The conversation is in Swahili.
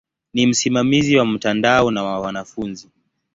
Ni msimamizi wa mtandao na wa wanafunzi.